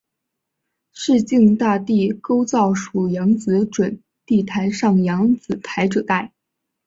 市境大地构造属扬子准地台上扬子台褶带。